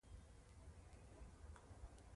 هغه وویل چې افسر باید په خپل سر کار ونه کړي